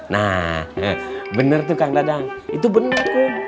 nah bener tuh kang dadang itu bener kum